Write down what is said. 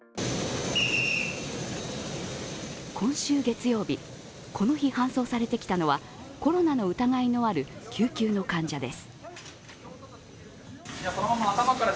今週月曜日、この日、搬送されてきたのはコロナの疑いのある救急の患者です。